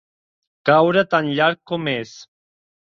Caure tan llarg com és.